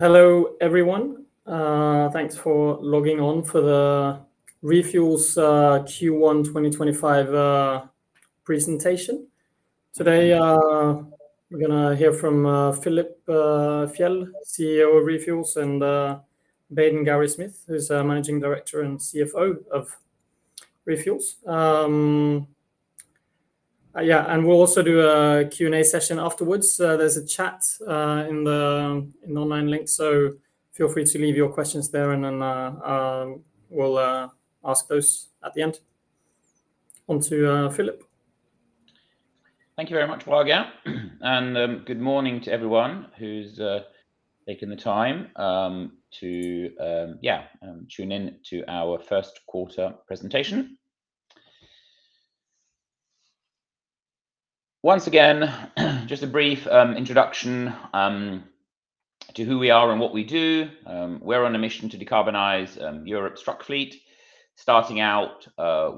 Hello, everyone. Thanks for logging on for the ReFuels Q1 2025 Presentation. Today, we're gonna hear from Philip Fjeld, CEO of ReFuels, and Baden Gowrie-Smith, who's our Managing Director and CFO of ReFuels. Yeah, and we'll also do a Q&A session afterwards. There's a chat in the online link, so feel free to leave your questions there, and then we'll ask those at the end. On to Philip. Thank you very much, Jorge, and good morning to everyone who's taken the time to tune in to our first quarter presentation. Once again, just a brief introduction to who we are and what we do. We're on a mission to decarbonize Europe's truck fleet, starting out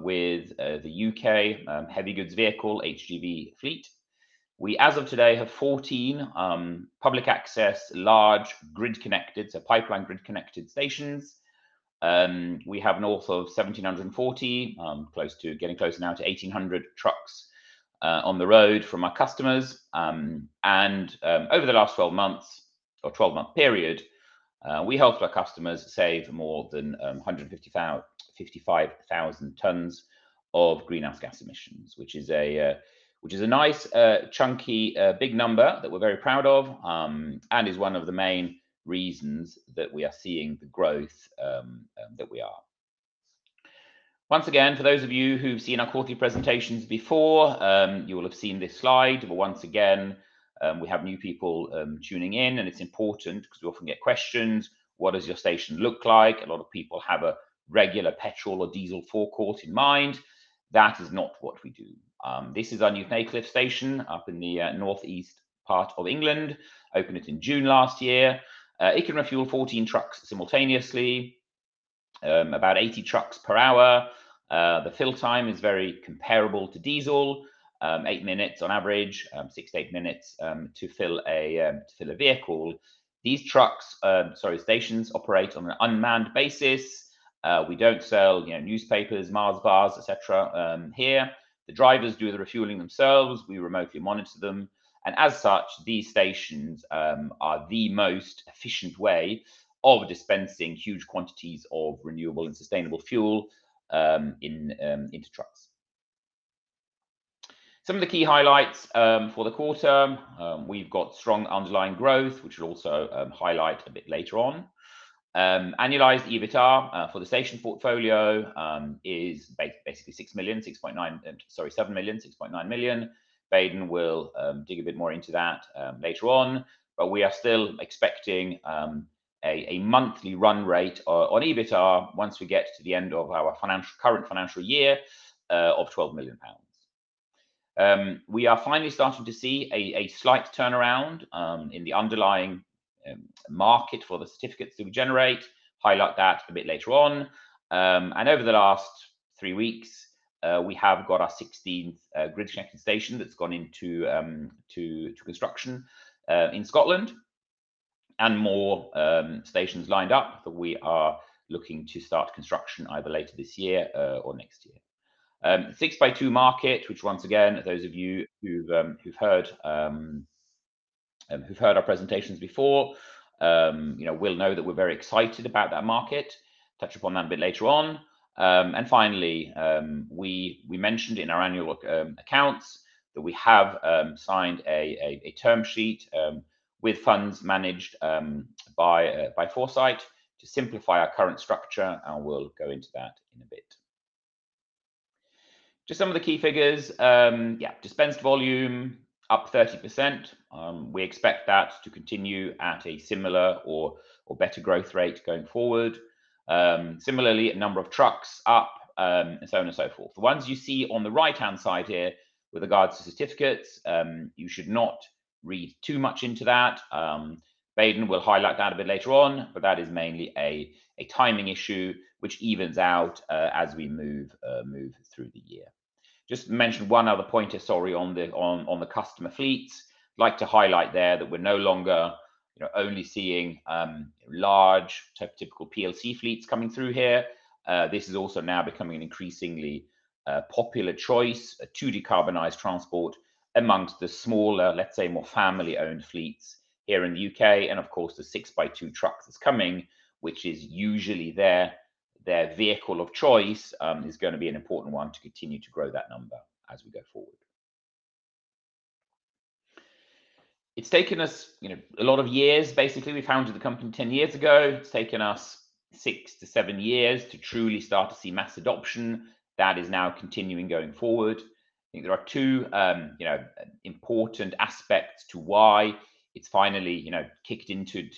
with the U.K. heavy goods vehicle, HGV fleet. We, as of today, have 14 public access, large grid-connected, so pipeline grid-connected stations. We have north of 1,740 close to... getting closer now to 1,800 trucks on the road from our customers. Over the last 12 months or 12-month period, we helped our customers save more than 55,000 tons of greenhouse gas emissions, which is a nice, chunky, big number that we're very proud of, and is one of the main reasons that we are seeing the growth that we are. Once again, for those of you who've seen our quarterly presentations before, you will have seen this slide, but once again, we have new people tuning in, and it's important because we often get questions, "What does your station look like?" A lot of people have a regular petrol or diesel forecourt in mind. That is not what we do. This is our new Newton Aycliffe station up in the northeast part of England, opened it in June last year. It can refuel fourteen trucks simultaneously, about eighty trucks per hour. The fill time is very comparable to diesel, eight minutes on average, six to eight minutes to fill a vehicle. These trucks, sorry, stations operate on an unmanned basis. We don't sell, you know, newspapers, Mars bars, et cetera, here. The drivers do the refueling themselves, we remotely monitor them, and as such, these stations are the most efficient way of dispensing huge quantities of renewable and sustainable fuel into trucks. Some of the key highlights for the quarter. We've got strong underlying growth, which we'll also highlight a bit later on. Annualized EBITDA for the station portfolio is basically 6 million, 6.9 million, sorry, 7 million, 6.9 million. Baden will dig a bit more into that later on, but we are still expecting a monthly run rate on EBITDA once we get to the end of our current financial year of 12 million pounds. We are finally starting to see a slight turnaround in the underlying market for the certificates that we generate. Highlight that a bit later on and over the last three weeks we have got our 16th grid connection station that's gone into construction in Scotland, and more stations lined up that we are looking to start construction either later this year or next year. Six by two market, which once again, those of you who've heard our presentations before, you know, will know that we're very excited about that market. Touch upon that a bit later on. And finally, we mentioned in our annual accounts that we have signed a term sheet with funds managed by Foresight to simplify our current structure, and we'll go into that in a bit. Just some of the key figures. Yeah, dispensed volume up 30%. We expect that to continue at a similar or better growth rate going forward. Similarly, a number of trucks up, and so on and so forth. The ones you see on the right-hand side here with regards to certificates, you should not read too much into that. Baden will highlight that a bit later on, but that is mainly a timing issue, which evens out as we move through the year. Just mention one other point, sorry, on the customer fleets. I'd like to highlight there that we're no longer, you know, only seeing large typical PLC fleets coming through here. This is also now becoming an increasingly popular choice to decarbonize transport amongst the smaller, let's say, more family-owned fleets here in the U.K., and of course, the 6x2 trucks is coming, which is usually their vehicle of choice, is gonna be an important one to continue to grow that number as we go forward. It's taken us, you know, a lot of years. Basically, we founded the company ten years ago. It's taken us six to seven years to truly start to see mass adoption. That is now continuing going forward. I think there are two, you know, important aspects to why it's finally, you know, kicked into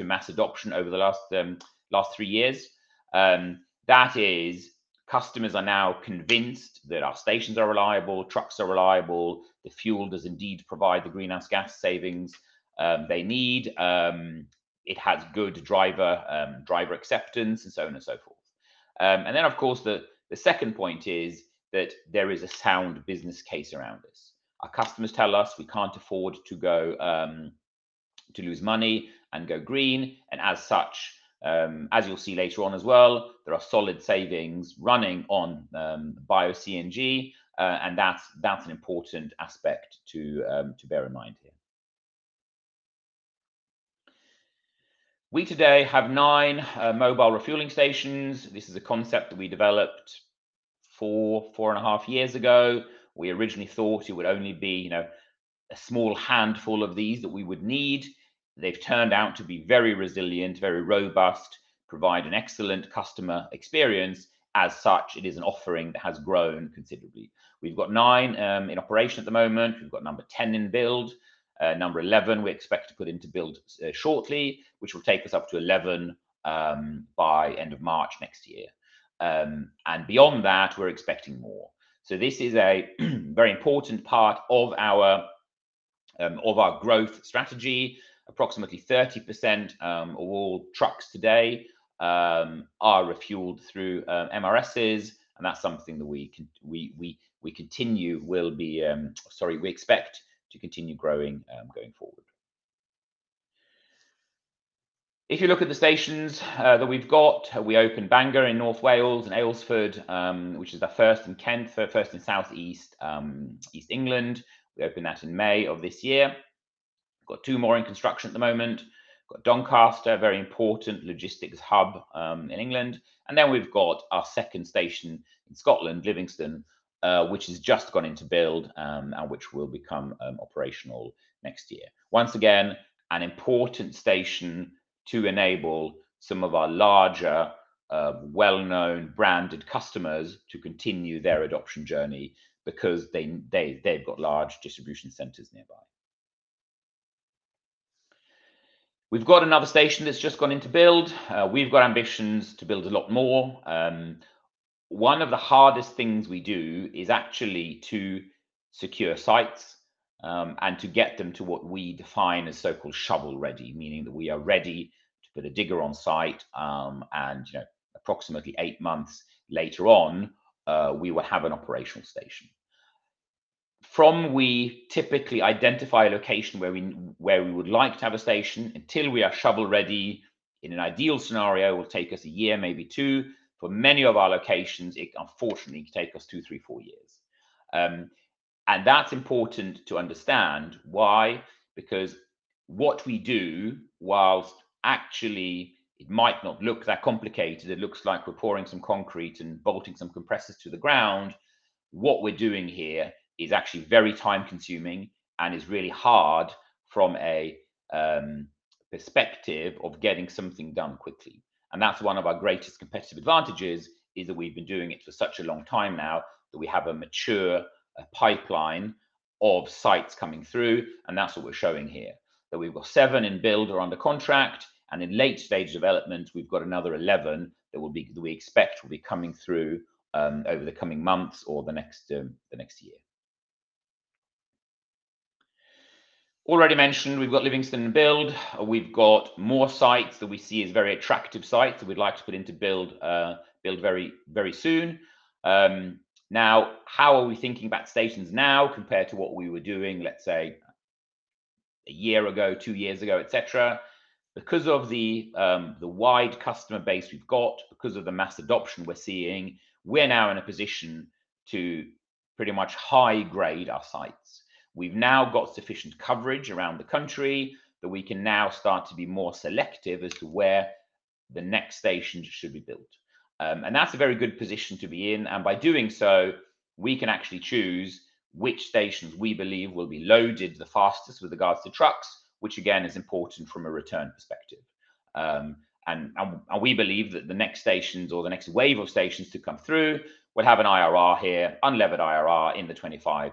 mass adoption over the last three years. That is, customers are now convinced that our stations are reliable, trucks are reliable, the fuel does indeed provide the greenhouse gas savings they need. It has good driver acceptance, and so on and so forth, and then of course, the second point is that there is a sound business case around us. Our customers tell us we can't afford to go to lose money and go green, and as such, as you'll see later on as well, there are solid savings running on Bio-CNG, and that's an important aspect to bear in mind here. We today have nine mobile refueling stations. This is a concept that we developed four and a half years ago. We originally thought it would only be, you know, a small handful of these that we would need. They've turned out to be very resilient, very robust, provide an excellent customer experience. As such, it is an offering that has grown considerably. We've got nine in operation at the moment. We've got number 10 in build. Number 11, we expect to put into build shortly, which will take us up to 11, by end of March next year. And beyond that, we're expecting more. So this is a very important part of our of our growth strategy. Approximately 30% of all trucks today are refueled through MRSs, and that's something that we expect to continue growing going forward. If you look at the stations that we've got, we opened Bangor in North Wales, and Aylesford, which is the first in Kent, first in Southeast England. We opened that in May of this year. We've got two more in construction at the moment. We've got Doncaster, a very important logistics hub, in England, and then we've got our second station in Scotland, Livingston, which has just gone into build, and which will become operational next year. Once again, an important station to enable some of our larger, well-known branded customers to continue their adoption journey because they've got large distribution centers nearby. We've got another station that's just gone into build. We've got ambitions to build a lot more. One of the hardest things we do is actually to secure sites, and to get them to what we define as so-called shovel-ready, meaning that we are ready to put a digger on site, and, you know, approximately eight months later on, we will have an operational station. From when we typically identify a location where we would like to have a station until we are shovel-ready, in an ideal scenario, will take us a year, maybe two. For many of our locations, it unfortunately can take us two, three, four years. And that's important to understand. Why? Because what we do, while actually it might not look that complicated, it looks like we're pouring some concrete and bolting some compressors to the ground. What we're doing here is actually very time-consuming and is really hard from a perspective of getting something done quickly. And that's one of our greatest competitive advantages, is that we've been doing it for such a long time now, that we have a mature pipeline of sites coming through, and that's what we're showing here. That we've got seven in build or under contract, and in late stage development, we've got another 11 that we expect will be coming through over the coming months or the next year. Already mentioned, we've got Livingston in build. We've got more sites that we see as very attractive sites that we'd like to put into build very, very soon. Now, how are we thinking about stations now compared to what we were doing, let's say, a year ago, two years ago, et cetera? Because of the wide customer base we've got, because of the mass adoption we're seeing, we're now in a position to pretty much high-grade our sites. We've now got sufficient coverage around the country that we can now start to be more selective as to where the next station should be built. And that's a very good position to be in, and by doing so, we can actually choose which stations we believe will be loaded the fastest with regards to trucks, which again is important from a return perspective. And we believe that the next stations or the next wave of stations to come through will have an IRR here, unlevered IRR, in the 25-45%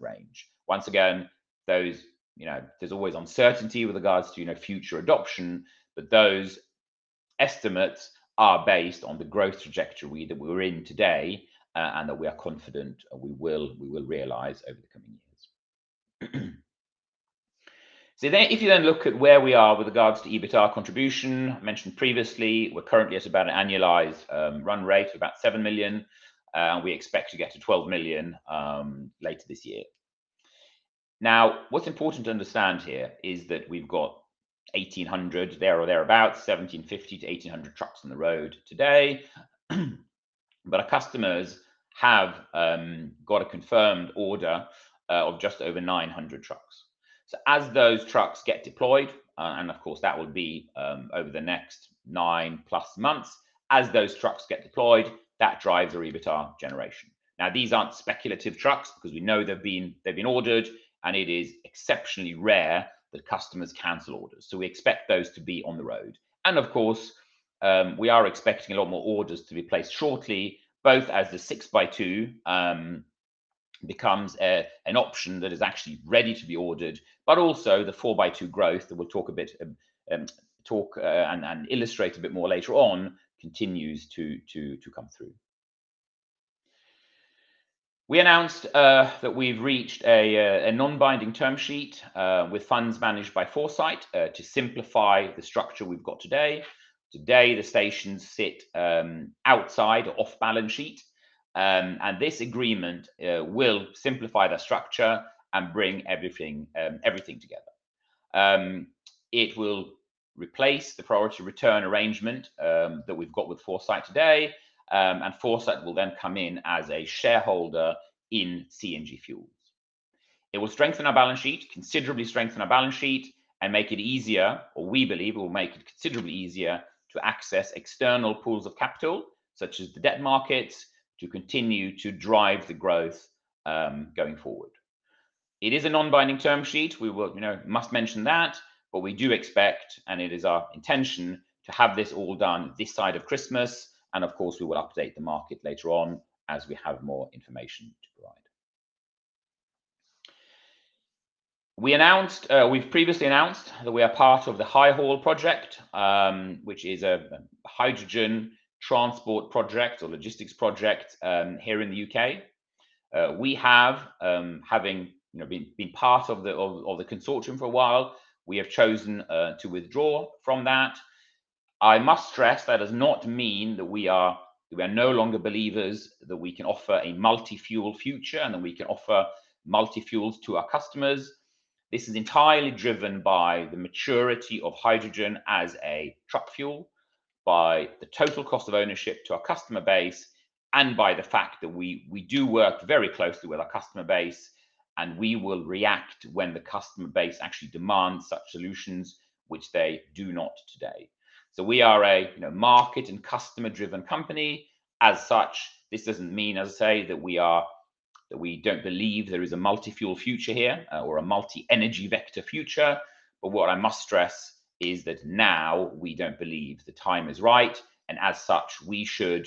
range. Once again, those you know, there's always uncertainty with regards to, you know, future adoption, but those estimates are based on the growth trajectory that we're in today, and that we are confident and we will realize over the coming years. So then, if you then look at where we are with regards to EBITDA contribution, I mentioned previously, we're currently at about an annualized run rate of about 7 million. We expect to get to 12 million later this year. Now, what's important to understand here is that we've got 1,800, there or thereabouts, 1,750 to 1,800 trucks on the road today. But our customers have got a confirmed order of just over 900 trucks. So as those trucks get deployed, and of course, that will be over the next 9-plus months. As those trucks get deployed, that drives our EBITDA generation. Now, these aren't speculative trucks because we know they've been ordered, and it is exceptionally rare that customers cancel orders, so we expect those to be on the road. And of course, we are expecting a lot more orders to be placed shortly, both as the six by two becomes an option that is actually ready to be ordered, but also the four by two growth that we'll talk a bit and illustrate a bit more later on, continues to come through. We announced that we've reached a non-binding term sheet with funds managed by Foresight to simplify the structure we've got today. Today, the stations sit outside, off balance sheet. And this agreement will simplify the structure and bring everything together. It will replace the priority return arrangement that we've got with Foresight today, and Foresight will then come in as a shareholder in CNG Fuels. It will strengthen our balance sheet, considerably strengthen our balance sheet, and make it easier, or we believe it will make it considerably easier, to access external pools of capital, such as the debt markets, to continue to drive the growth, going forward. It is a non-binding term sheet. We will, you know, must mention that, but we do expect, and it is our intention, to have this all done this side of Christmas, and of course, we will update the market later on as we have more information to provide. We announced, we've previously announced that we are part of the HyHaul project, which is a hydrogen transport project or logistics project, here in the U.K. We have, having, you know, been part of the consortium for a while, we have chosen to withdraw from that. I must stress, that does not mean that we are no longer believers, that we can offer a multi-fuel future and that we can offer multi-fuels to our customers. This is entirely driven by the maturity of hydrogen as a truck fuel, by the total cost of ownership to our customer base, and by the fact that we do work very closely with our customer base, and we will react when the customer base actually demands such solutions, which they do not today. So we are, you know, market and customer-driven company. As such, this doesn't mean, as I say, that we don't believe there is a multi-fuel future here, or a multi-energy vector future. But what I must stress is that now we don't believe the time is right, and as such, we should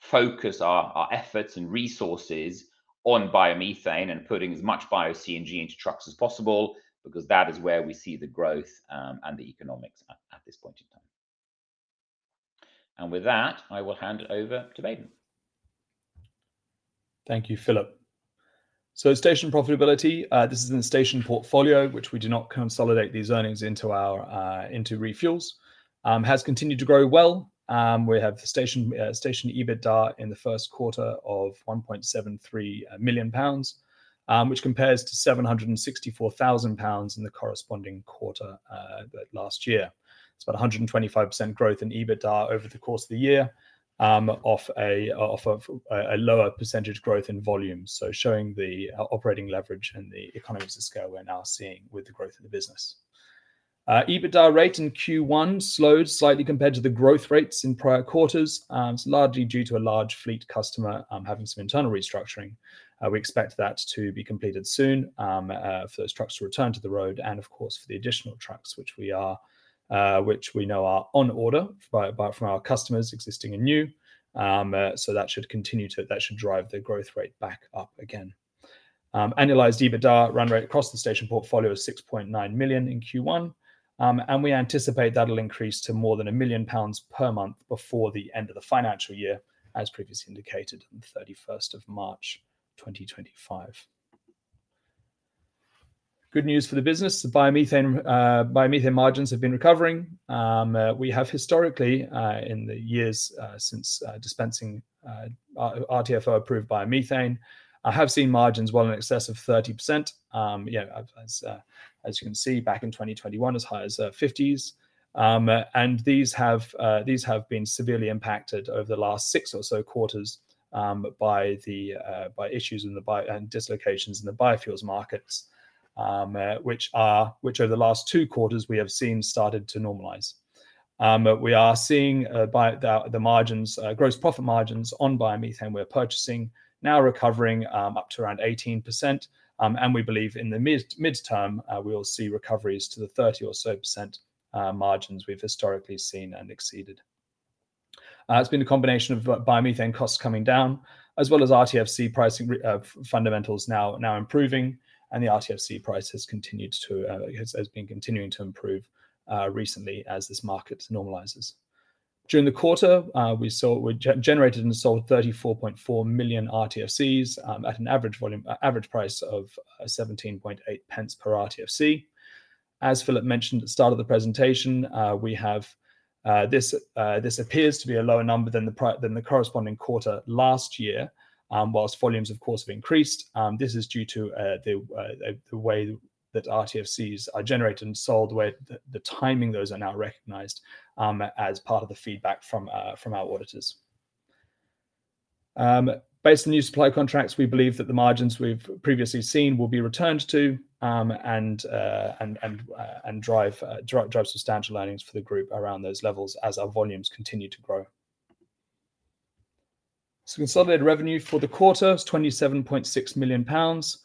focus our efforts and resources on biomethane and putting as much bio-CNG into trucks as possible, because that is where we see the growth, and the economics at this point in time. And with that, I will hand it over to Baden. Thank you, Philip. So station profitability, this is in the station portfolio, which we do not consolidate these earnings into our, into ReFuels, has continued to grow well. We have station EBITDA in the first quarter of 1.73 million pounds, which compares to 764,000 pounds in the corresponding quarter last year. It's about a 125% growth in EBITDA over the course of the year, off of a lower percentage growth in volume. So showing the operating leverage and the economics of scale we're now seeing with the growth of the business. EBITDA rate in Q1 slowed slightly compared to the growth rates in prior quarters, and it's largely due to a large fleet customer having some internal restructuring. We expect that to be completed soon, for those trucks to return to the road, and of course, for the additional trucks, which we know are on order from our customers, existing and new. So that should continue to... That should drive the growth rate back up again. Annualized EBITDA run rate across the station portfolio is 6.9 million in Q1, and we anticipate that'll increase to more than 1 million pounds per month before the end of the financial year, as previously indicated, on the thirty-first of March 2025. Good news for the business, biomethane margins have been recovering. We have historically, in the years since dispensing RTFO-approved biomethane, have seen margins well in excess of 30%. Yeah, as you can see, back in 2021, as high as fifties. And these have been severely impacted over the last six or so quarters by issues and dislocations in the biofuels markets, which in the last two quarters we have seen started to normalize. We are seeing the margins, gross profit margins on biomethane we're purchasing now recovering up to around 18%, and we believe in the mid-term we'll see recoveries to the 30% or so margins we've historically seen and exceeded. It's been a combination of biomethane costs coming down, as well as RTFC pricing, fundamentals now improving, and the RTFC price has continued to has been continuing to improve recently as this market normalizes. During the quarter, we sold. We generated and sold 34.4 million RTFCs at an average volume, average price of 0.178 per RTFC. As Philip mentioned at the start of the presentation, we have, this appears to be a lower number than the corresponding quarter last year. While volumes, of course, have increased, this is due to the way that RTFCs are generated and sold, the way the timing of those are now recognized, as part of the feedback from our auditors. Based on the new supply contracts, we believe that the margins we've previously seen will be returned to and drive substantial earnings for the group around those levels as our volumes continue to grow. Consolidated revenue for the quarter is 27.6 million pounds,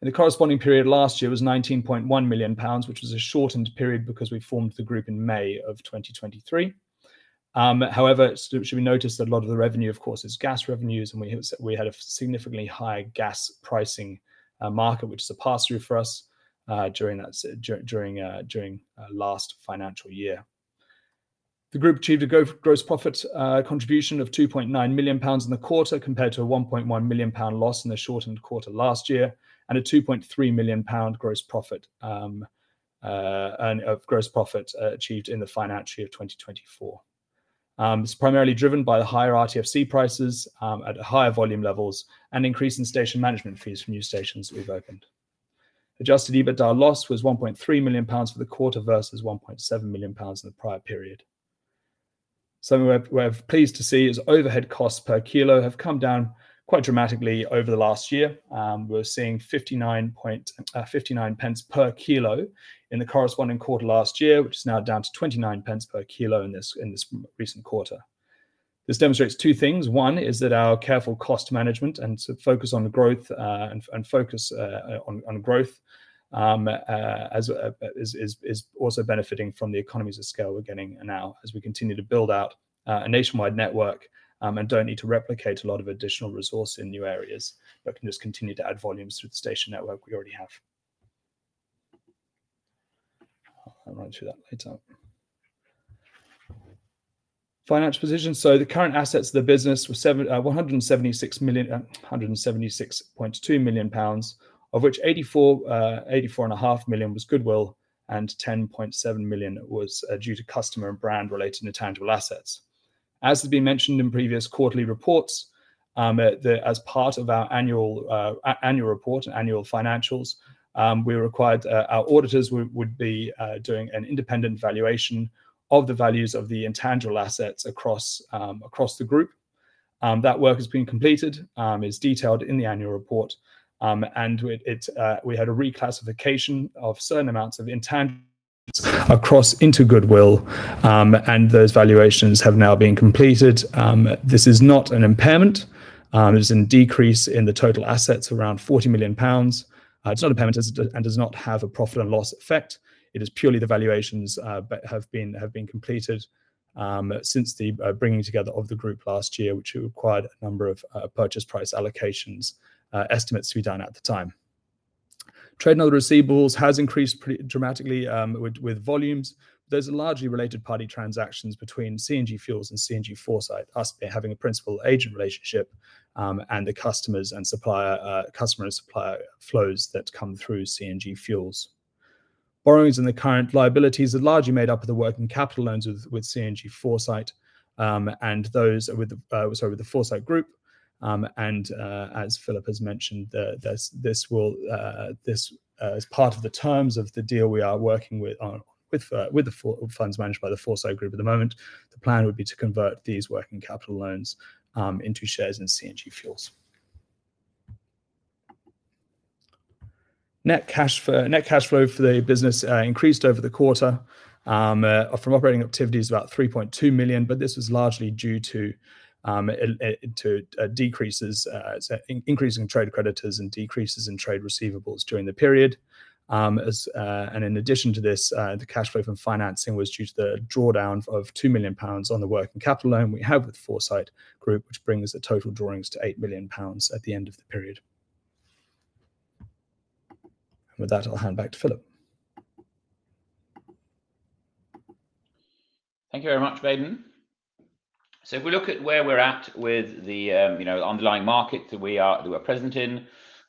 and the corresponding period last year was 19.1 million pounds, which was a shortened period because we formed the group in May of 2023. However, it should be noticed that a lot of the revenue, of course, is gas revenues, and we had a significantly higher gas pricing market, which is a pass-through for us during that last financial year. The group achieved a gross profit contribution of 2.9 million pounds in the quarter, compared to a 1.1 million pound loss in the shortened quarter last year, and a 2.3 million pound gross profit achieved in the financial year of 2024. It's primarily driven by the higher RTFC prices at higher volume levels, and increase in station management fees from new stations we've opened. Adjusted EBITDA loss was 1.3 million pounds for the quarter versus 1.7 million pounds in the prior period. So we're pleased to see is overhead costs per kilo have come down quite dramatically over the last year. We're seeing 0.5959 per kilo in the corresponding quarter last year, which is now down to 0.29 per kilo in this recent quarter. This demonstrates two things. One is that our careful cost management and focus on growth is also benefiting from the economies of scale we're getting now as we continue to build out a nationwide network and don't need to replicate a lot of additional resource in new areas, but can just continue to add volumes through the station network we already have. I'll run through that later. Financial position. So the current assets of the business were 176.2 million pounds, of which 84.5 million was goodwill, and 10.7 million was due to customer and brand-related intangible assets. As has been mentioned in previous quarterly reports, as part of our annual report, annual financials, we were required, our auditors would be doing an independent valuation of the values of the intangible assets across the group. That work has been completed. It's detailed in the annual report, and it we had a reclassification of certain amounts of intangibles across into goodwill, and those valuations have now been completed. This is not an impairment, it is a decrease in the total assets around 40 million pounds. It's not impairment and does not have a profit and loss effect. It is purely the valuations but have been completed since the bringing together of the group last year, which required a number of purchase price allocations estimates to be done at the time. Trade and other receivables has increased pretty dramatically with volumes. Those are largely related party transactions between CNG Fuels and CNG Foresight, us having a principal agent relationship, and the customer and supplier flows that come through CNG Fuels. Borrowings and the current liabilities are largely made up of the working capital loans with CNG Foresight, and those with the, sorry, with the Foresight Group. And as Philip has mentioned, this is part of the terms of the deal we are working with, on, with the funds managed by the Foresight Group at the moment. The plan would be to convert these working capital loans into shares in CNG Fuels. Net cash flow for the business increased over the quarter from operating activities, about 3.2 million, but this was largely due to decreases, so an increase in trade creditors and decreases in trade receivables during the period. As... In addition to this, the cash flow from financing was due to the drawdown of 2 million pounds on the working capital loan we have with Foresight Group, which brings the total drawings to 8 million pounds at the end of the period. With that, I'll hand back to Philip. Thank you very much, Baden. So if we look at where we're at with the, you know, underlying market that we are, we're present in,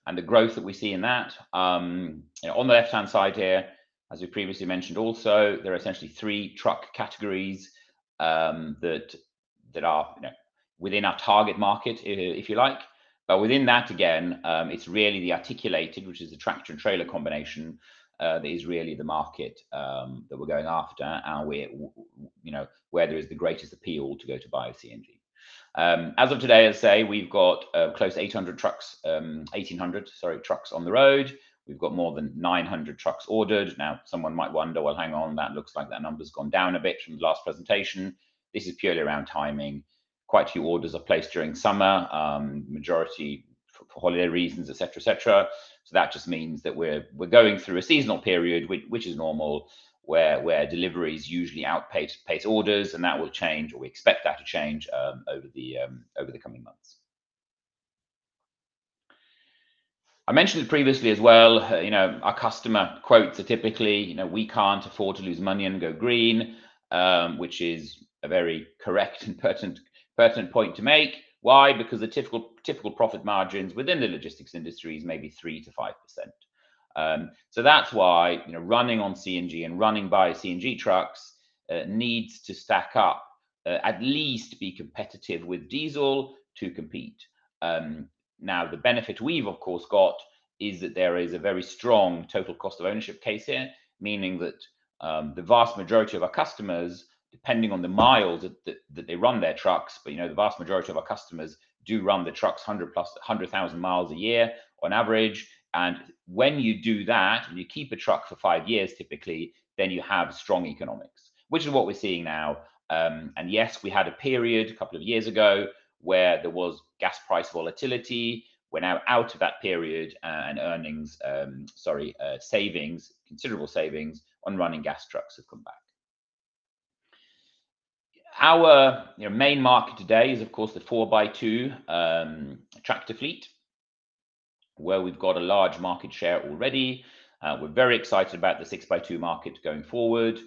and the growth that we see in that, you know, on the left-hand side here, as we previously mentioned, also, there are essentially three truck categories, that are, you know, within our target market, if you like. But within that, again, it's really the articulated, which is the tractor and trailer combination, that is really the market, that we're going after, and where, you know, where there is the greatest appeal to go to buy a CNG. As of today, I'd say we've got, close to 800 trucks, 1,800, sorry, trucks on the road. We've got more than 900 trucks ordered. Now, someone might wonder, well, hang on, that looks like that number's gone down a bit from the last presentation. This is purely around timing. Quite a few orders are placed during summer, majority for holiday reasons, et cetera, et cetera. So that just means that we're going through a seasonal period, which is normal, where deliveries usually outpace orders, and that will change, or we expect that to change, over the coming months. I mentioned it previously as well, you know, our customer quotes are typically, you know, "We can't afford to lose money and go green," which is a very correct and pertinent point to make. Why? Because the typical profit margins within the logistics industry is maybe 3%-5%. So that's why, you know, running on CNG and running by CNG trucks needs to stack up, at least be competitive with diesel to compete. Now, the benefit we've, of course, got is that there is a very strong total cost of ownership case here, meaning that the vast majority of our customers, depending on the miles that they run their trucks, but, you know, the vast majority of our customers do run their trucks hundred plus, hundred thousand miles a year on average. And when you do that, and you keep a truck for five years, typically, then you have strong economics, which is what we're seeing now. And yes, we had a period a couple of years ago where there was gas price volatility. We're now out of that period, and savings, considerable savings on running gas trucks have come back. Our, you know, main market today is, of course, the four by two tractor fleet where we've got a large market share already. We're very excited about the six by two market going forward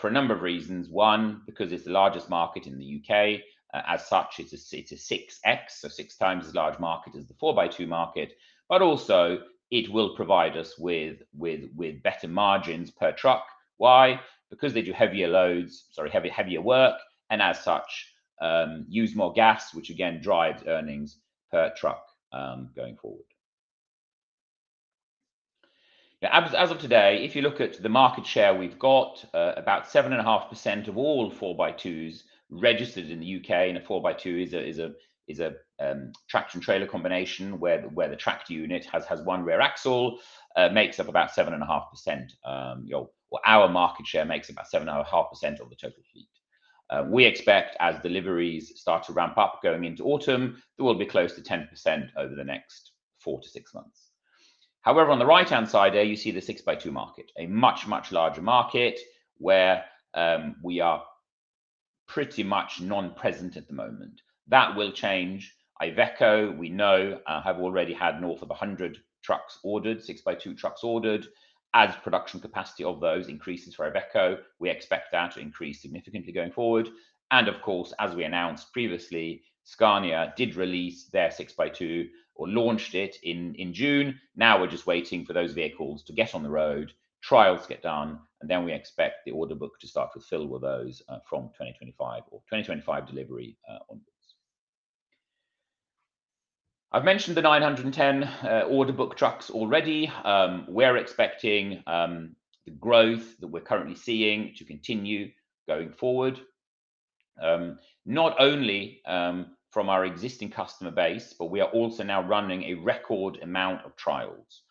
for a number of reasons. One, because it's the largest market in the U.K. As such, it's a six by two, so six times as large market as the four by two market, but also it will provide us with better margins per truck. Why? Because they do heavier loads, heavier work, and as such, use more gas, which again drives earnings per truck going forward. Now, as of today, if you look at the market share, we've got about 7.5% of all four by twos registered in the U.K., and a four by two is a traction trailer combination where the tract unit has one rear axle, makes up about 7.5%, you know. Well, our market share makes up about 7.5% of the total fleet. We expect as deliveries start to ramp up going into autumn, that we'll be close to 10% over the next four to six months. However, on the right-hand side there, you see the six by two market, a much larger market where we are pretty much non-present at the moment. That will change. Iveco, we know, have already had north of a hundred trucks ordered, six by two trucks ordered. As production capacity of those increases for Iveco, we expect that to increase significantly going forward, and of course, as we announced previously, Scania did release their six by two or launched it in June. Now, we're just waiting for those vehicles to get on the road, trials get done, and then we expect the order book to start to fill with those from twenty twenty-five delivery onwards. I've mentioned the nine hundred and ten order book trucks already. We're expecting the growth that we're currently seeing to continue going forward, not only from our existing customer base, but we are also now running a record amount of trials.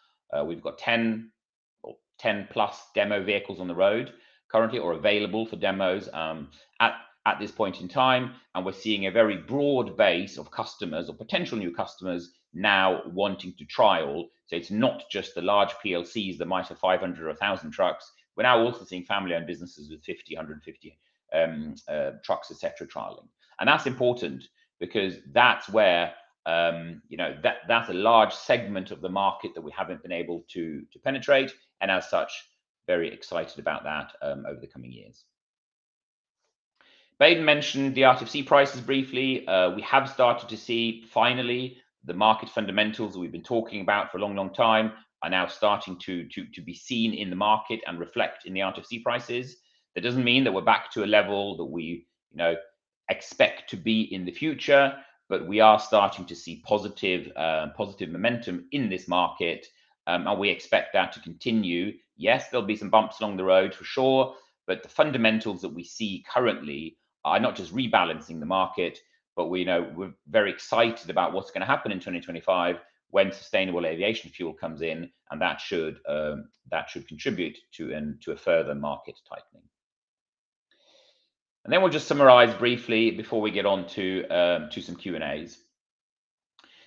We've got ten or ten plus demo vehicles on the road currently or available for demos at this point in time, and we're seeing a very broad base of customers or potential new customers now wanting to trial. So it's not just the large PLCs that might have 500 or 1,000 trucks. We're now also seeing family-owned businesses with 50, 100 and 150 trucks, et cetera, trialing. And that's important because that's where, you know, that's a large segment of the market that we haven't been able to penetrate, and as such, very excited about that over the coming years. Baden mentioned the RTFC prices briefly. We have started to see, finally, the market fundamentals we've been talking about for a long, long time are now starting to be seen in the market and reflect in the RTFC prices. That doesn't mean that we're back to a level that we, you know, expect to be in the future, but we are starting to see positive momentum in this market. And we expect that to continue. Yes, there'll be some bumps along the road for sure, but the fundamentals that we see currently are not just rebalancing the market, but we know we're very excited about what's gonna happen in 2025 when sustainable aviation fuel comes in, and that should contribute to a further market tightening. And then we'll just summarize briefly before we get on to some Q&As.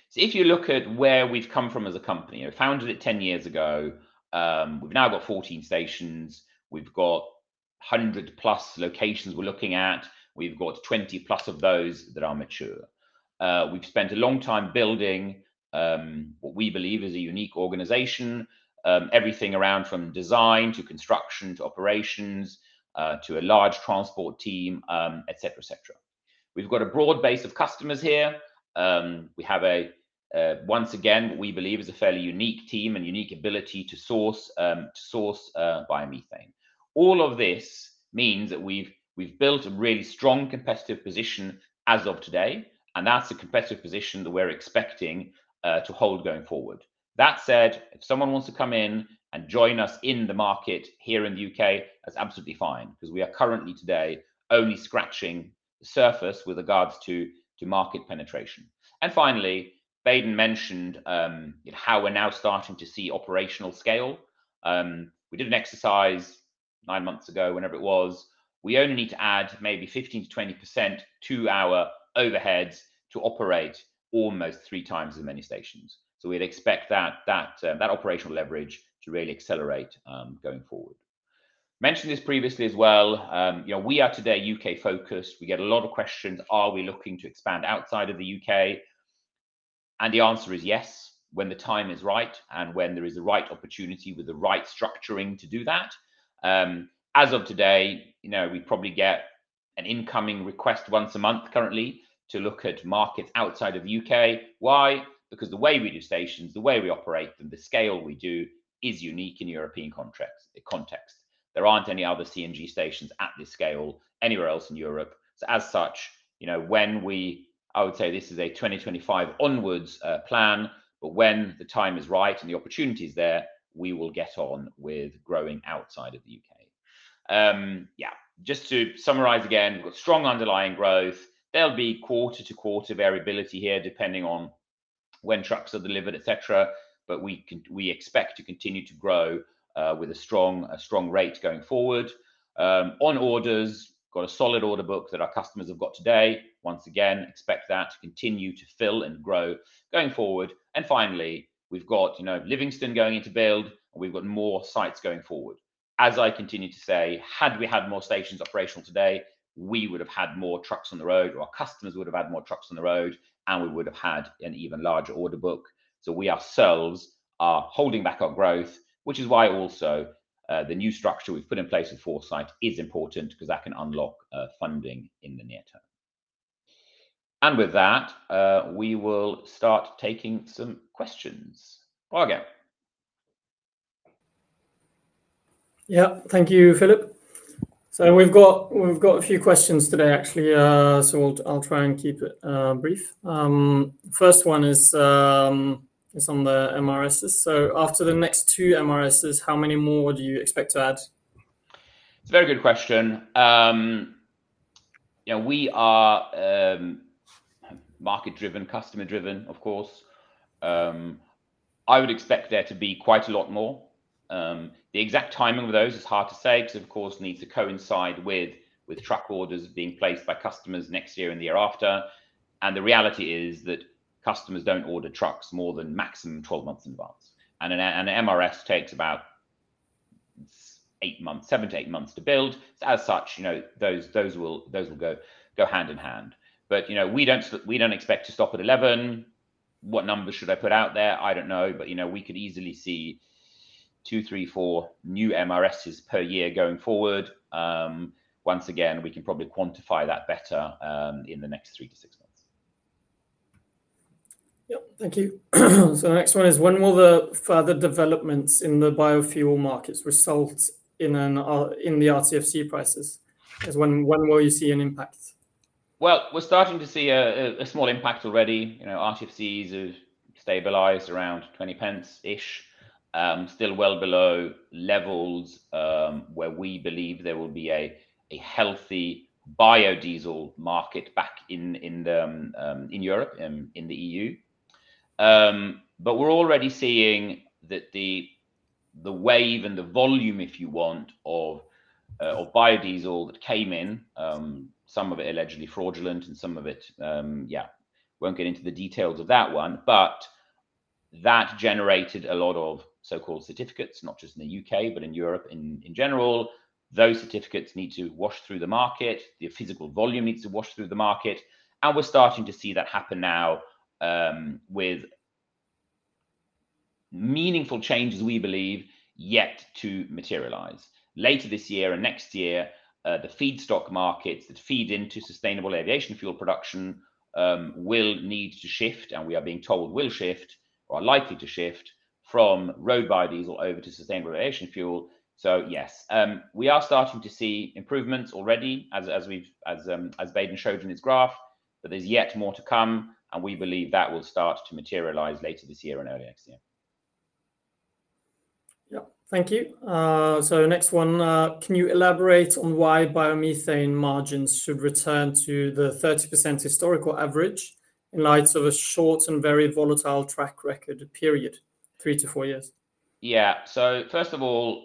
So if you look at where we've come from as a company, we founded it 10 years ago. We've now got 14 stations. We've got 100 plus locations we're looking at. We've got 20 plus of those that are mature. We've spent a long time building what we believe is a unique organization, everything around from design, to construction, to operations, to a large transport team, et cetera, et cetera. We've got a broad base of customers here. We have a once again, what we believe is a fairly unique team and unique ability to source biomethane. All of this means that we've built a really strong competitive position as of today, and that's a competitive position that we're expecting to hold going forward. That said, if someone wants to come in and join us in the market here in the U.K., that's absolutely fine, because we are currently today only scratching the surface with regards to market penetration. And finally, Baden mentioned how we're now starting to see operational scale. We did an exercise nine months ago, whenever it was. We only need to add maybe 15%-20% to our overheads to operate almost three times as many stations. So we'd expect that operational leverage to really accelerate going forward. Mentioned this previously as well, you know, we are today U.K.-focused. We get a lot of questions, are we looking to expand outside of the U.K.? And the answer is yes, when the time is right and when there is a right opportunity with the right structuring to do that. As of today, you know, we probably get an incoming request once a month currently to look at markets outside of U.K. Why? Because the way we do stations, the way we operate, and the scale we do is unique in European contracts, context. There aren't any other CNG stations at this scale anywhere else in Europe. So as such, you know, when we... I would say this is a 2025 onwards, plan, but when the time is right and the opportunity is there, we will get on with growing outside of the U.K. Yeah, just to summarize again, we've got strong underlying growth. There'll be quarter-to-quarter variability here, depending on when trucks are delivered, et cetera, but we expect to continue to grow, with a strong rate going forward. On orders, got a solid order book that our customers have got today. Once again, expect that to continue to fill and grow going forward. And finally, we've got, you know, Livingston going into build, and we've got more sites going forward. As I continue to say, had we had more stations operational today, we would have had more trucks on the road, or our customers would have had more trucks on the road, and we would have had an even larger order book. So we ourselves are holding back our growth, which is why also the new structure we've put in place with Foresight is important, 'cause that can unlock funding in the near term. And with that, we will start taking some questions. Jorge? Yeah. Thank you, Philip. We've got a few questions today, actually, so I'll try and keep it brief. First one is on the MRSs. After the next two MRSs, how many more would you expect to add? It's a very good question. Yeah, we are market-driven, customer-driven, of course. I would expect there to be quite a lot more. The exact timing of those is hard to say, because, of course, it needs to coincide with truck orders being placed by customers next year and the year after. The reality is that customers don't order trucks more than maximum twelve months in advance. An MRS takes about eight months, seven to eight months to build. So as such, you know, those will go hand in hand. We don't expect to stop at eleven. What numbers should I put out there? I don't know. We could easily see two, three, four new MRSs per year going forward. Once again, we can probably quantify that better, in the next three to six months. Thank you. The next one is: when will the further developments in the biofuel markets result in the RTFC prices? When will you see an impact? We're starting to see a small impact already. You know, RTFCs have stabilized around 0.20-ish, still well below levels, where we believe there will be a healthy biodiesel market back in Europe, in the E.U. But we're already seeing that the wave and the volume, if you want, of biodiesel that came in, some of it allegedly fraudulent and some of it. Yeah. Won't get into the details of that one, but that generated a lot of so-called certificates, not just in the U.K., but in Europe, in general. Those certificates need to wash through the market, the physical volume needs to wash through the market, and we're starting to see that happen now, with meaningful changes we believe yet to materialize. Later this year and next year, the feedstock markets that feed into sustainable aviation fuel production will need to shift, and we are being told will shift or are likely to shift from road biodiesel over to sustainable aviation fuel. So, yes, we are starting to see improvements already as we've as Baden showed in his graph, but there's yet more to come, and we believe that will start to materialize later this year and early next year. Yeah. Thank you. So next one, can you elaborate on why biomethane margins should return to the 30% historical average in light of a short and very volatile track record period, three to four years? Yeah. So first of all,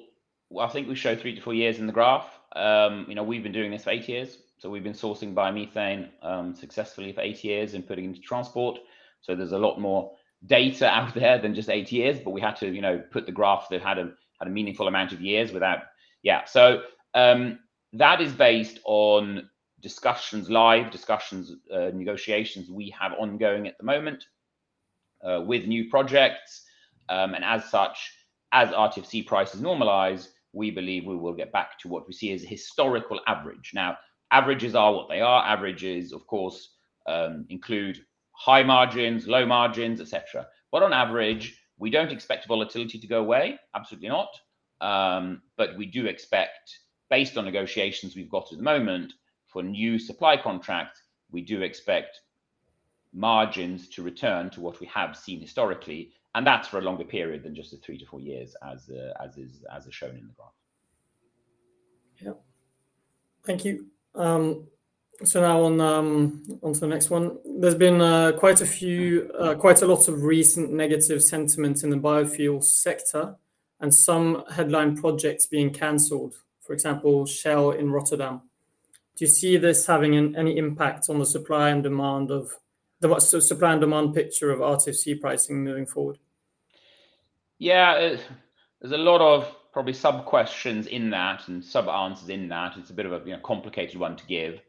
I think we showed three-to-four years in the graph. You know, we've been doing this eight years, so we've been sourcing biomethane successfully for eight years and putting into transport, so there's a lot more data out there than just eight years, but we had to, you know, put the graph that had a meaningful amount of years without... Yeah, so that is based on discussions, live discussions, negotiations we have ongoing at the moment with new projects. And as such, as RTFC prices normalize, we believe we will get back to what we see as a historical average. Now, averages are what they are. Averages, of course, include high margins, low margins, et cetera. But on average, we don't expect volatility to go away, absolutely not. But we do expect, based on negotiations we've got at the moment, for new supply contracts, we do expect margins to return to what we have seen historically, and that's for a longer period than just the three to four years, as is shown in the graph. Yeah. Thank you. So now on, on to the next one. There's been quite a few, quite a lot of recent negative sentiment in the biofuel sector and some headline projects being canceled, for example, Shell in Rotterdam. Do you see this having any impact on the supply and demand picture of RTFC pricing moving forward? Yeah. There's a lot of probably sub-questions in that and sub-answers in that. It's a bit of a, you know, complicated one to give.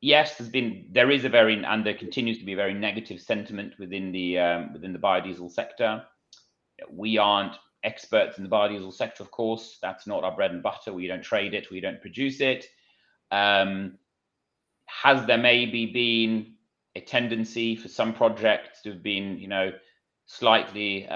Yes, there's been. There is a very, and there continues to be a very negative sentiment within the, within the biodiesel sector. We aren't experts in the biodiesel sector, of course. That's not our bread and butter. We don't trade it, we don't produce it. Has there maybe been a tendency for some projects to have been, you know, slightly,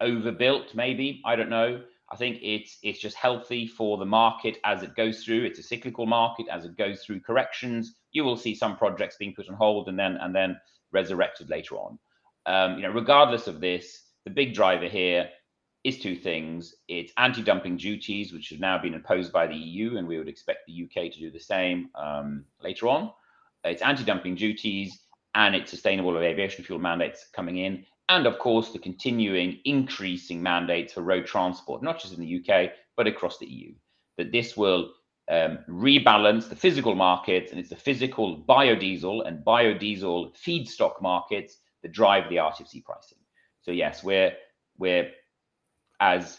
overbuilt maybe? I don't know. I think it's just healthy for the market as it goes through. It's a cyclical market as it goes through corrections. You will see some projects being put on hold and then resurrected later on. You know, regardless of this, the big driver here is two things: it's anti-dumping duties, which have now been imposed by the E.U., and we would expect the U.K. to do the same, later on. It's anti-dumping duties, and it's sustainable aviation fuel mandates coming in, and of course, the continuing increasing mandates for road transport, not just in the U.K., but across the E.U. That this will rebalance the physical markets, and it's the physical biodiesel and biodiesel feedstock markets that drive the RTFC pricing. So yes, we're as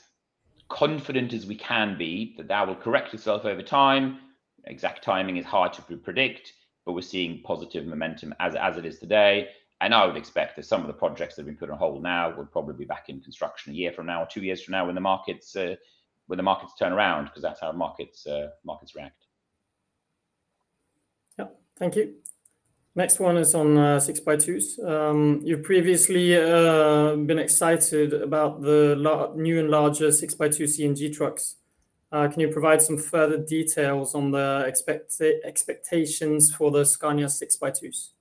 confident as we can be that that will correct itself over time. Exact timing is hard to predict, but we're seeing positive momentum as, as it is today, and I would expect that some of the projects that have been put on hold now will probably be back in construction a year from now or two years from now when the markets turn around, 'cause that's how markets react. Yeah. Thank you. Next one is on six by twos. You've previously been excited about the new and larger six by two CNG trucks. Can you provide some further details on the expectations for the Scania six by twos?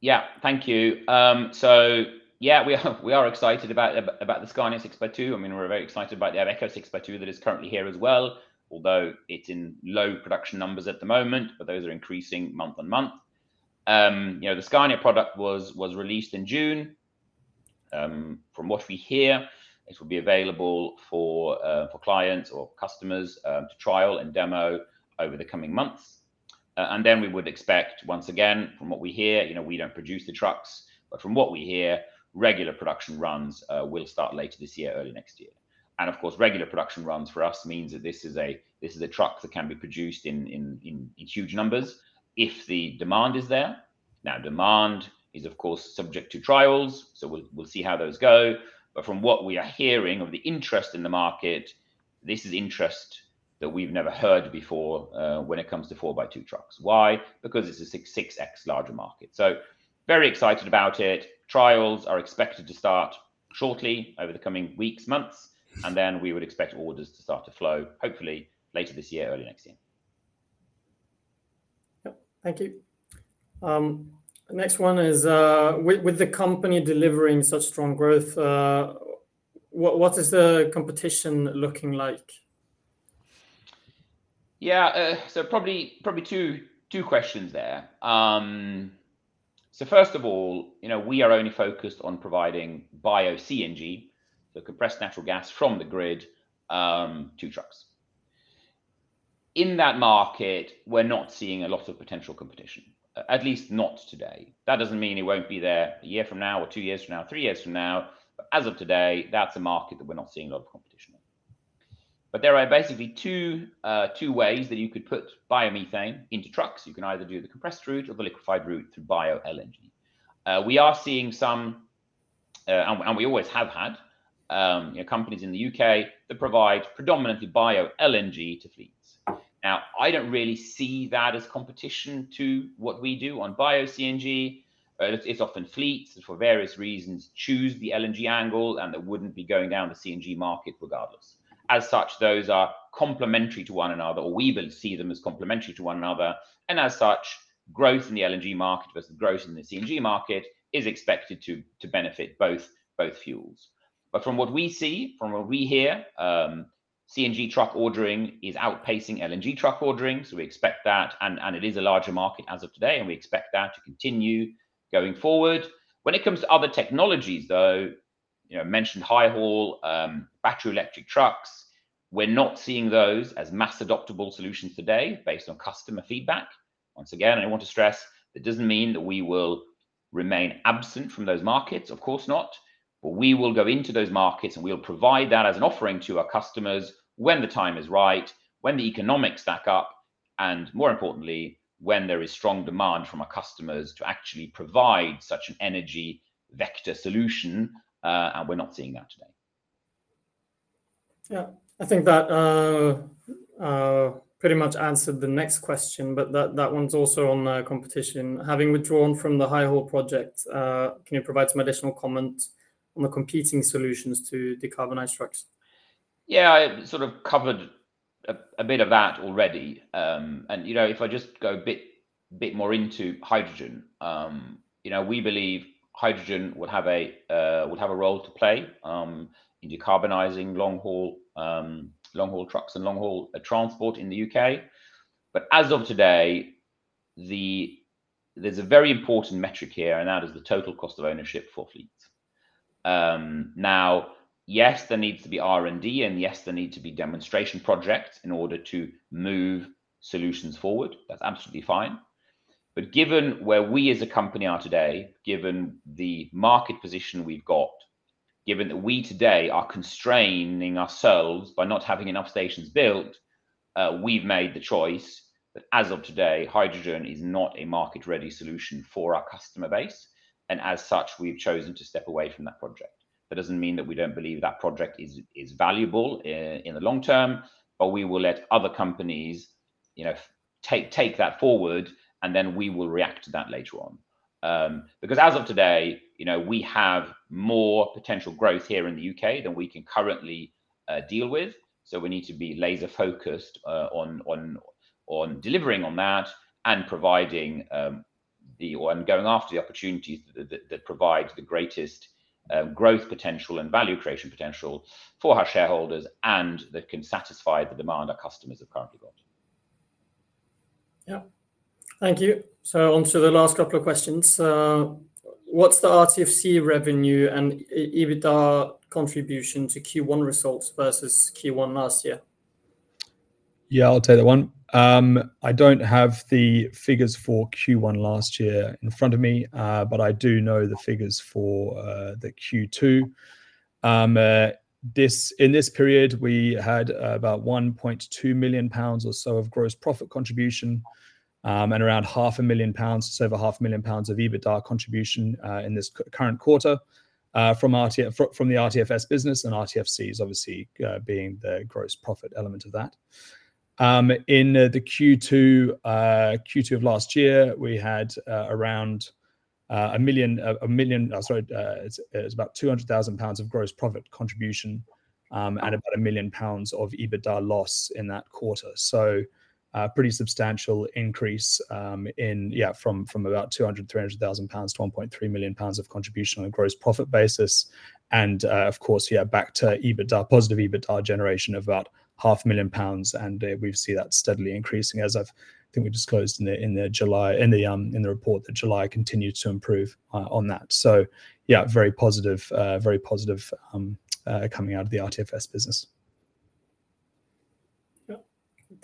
Yeah, thank you. So yeah, we are excited about the Scania six by two. I mean, we're very excited about the Iveco six by two that is currently here as well, although it's in low production numbers at the moment, but those are increasing month on month. You know, the Scania product was released in June. From what we hear, it will be available for clients or customers to trial and demo over the coming months, and then we would expect, once again, from what we hear, you know, we don't produce the trucks, but from what we hear, regular production runs will start later this year or early next year. Of course, regular production runs for us means that this is a truck that can be produced in huge numbers if the demand is there. Now, demand is, of course, subject to trials, so we'll see how those go. But from what we are hearing of the interest in the market, this is interest that we've never heard before when it comes to four by two trucks. Why? Because it's a six x larger market. So very excited about it. Trials are expected to start shortly over the coming weeks, months, and then we would expect orders to start to flow, hopefully later this year or early next year. Yep. Thank you. The next one is with the company delivering such strong growth, what is the competition looking like? Yeah, so probably two questions there, so first of all, you know, we are only focused on providing Bio-CNG, the compressed natural gas from the grid, to trucks. In that market, we're not seeing a lot of potential competition, at least not today. That doesn't mean it won't be there a year from now, or two years from now, three years from now, but as of today, that's a market that we're not seeing a lot of competition in. But there are basically two ways that you could put biomethane into trucks. You can either do the compressed route or the liquefied route through Bio-LNG. We are seeing some, and we always have had, you know, companies in the U.K. that provide predominantly Bio-LNG to fleets. Now, I don't really see that as competition to what we do on bio-CNG. It's often fleets, and for various reasons, choose the LNG angle, and they wouldn't be going down the CNG market regardless. As such, those are complementary to one another, or we will see them as complementary to one another, and as such, growth in the LNG market versus growth in the CNG market is expected to benefit both fuels. But from what we see, from what we hear, CNG truck ordering is outpacing LNG truck ordering, so we expect that, and it is a larger market as of today, and we expect that to continue going forward. When it comes to other technologies, though, you know, I mentioned HyHaul, battery electric trucks. We're not seeing those as mass adoptable solutions today based on customer feedback. Once again, I want to stress that doesn't mean that we will remain absent from those markets. Of course not. But we will go into those markets, and we'll provide that as an offering to our customers when the time is right, when the economics stack up, and more importantly, when there is strong demand from our customers to actually provide such an energy vector solution, and we're not seeing that today. Yeah. I think that, pretty much answered the next question, but that one's also on, competition. Having withdrawn from the HyHaul project, can you provide some additional comment on the competing solutions to decarbonize trucks? Yeah, I sort of covered a bit of that already. And, you know, if I just go a bit more into hydrogen, you know, we believe hydrogen will have a role to play in decarbonizing long-haul trucks and long-haul transport in the U.K. But as of today, the... there's a very important metric here, and that is the total cost of ownership for fleets. Now, yes, there needs to be R&D, and yes, there need to be demonstration projects in order to move solutions forward. That's absolutely fine. But given where we as a company are today, given the market position we've got, given that we today are constraining ourselves by not having enough stations built, we've made the choice that as of today, hydrogen is not a market-ready solution for our customer base, and as such, we've chosen to step away from that project. That doesn't mean that we don't believe that project is valuable in the long term, but we will let other companies, you know, take that forward, and then we will react to that later on. Because as of today, you know, we have more potential growth here in the U.K. than we can currently deal with, so we need to be laser focused on delivering on that and providing and going after the opportunities that provide the greatest growth potential and value creation potential for our shareholders and that can satisfy the demand our customers have currently got.... Yeah. Thank you. So on to the last couple of questions. What's the RTFC revenue and EBITDA contribution to Q1 results versus Q1 last year? Yeah, I'll take that one. I don't have the figures for Q1 last year in front of me, but I do know the figures for the Q2. In this period, we had about 1.2 million pounds or so of gross profit contribution, and around 500,000 pounds, just over 500,000 pounds of EBITDA contribution, in this current quarter, from the RTFO business, and RTFC is obviously being the gross profit element of that. In the Q2 of last year, we had around a million... Sorry, it was about 200,000 pounds of gross profit contribution, and about 1 million pounds of EBITDA loss in that quarter. So, a pretty substantial increase from about 200,000-300,000 pounds of contribution on a gross profit basis. And, of course, back to EBITDA, positive EBITDA generation of about 500,000 pounds, and we've seen that steadily increasing, as I think we disclosed in the July report that July continued to improve on that. So very positive coming out of the RTFO business.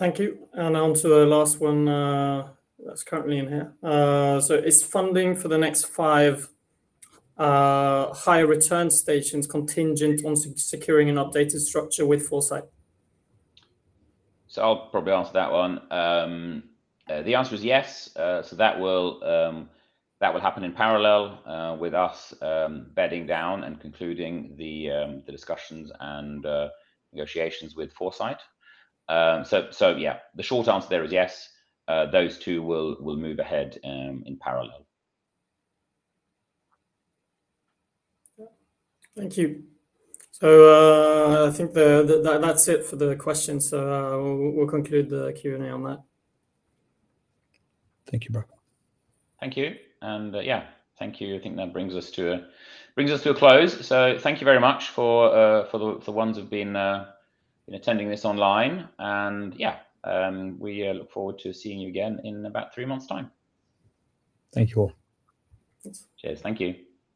Yeah. Thank you, and on to the last one, that's currently in here. So is funding for the next five, higher return stations contingent on securing an updated structure with Foresight? So I'll probably answer that one. The answer is yes. So that will happen in parallel with us bedding down and concluding the discussions and negotiations with Foresight. Yeah, the short answer there is yes. Those two will move ahead in parallel. Yeah. Thank you. So, I think that's it for the questions. So we'll conclude the Q and A on that. Thank you, Jorge. Thank you. And, yeah, thank you. I think that brings us to a close. So thank you very much for the ones who've been attending this online. And, yeah, we look forward to seeing you again in about three months' time. Thank you all. Cheers. Thank you.